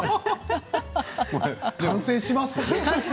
完成します？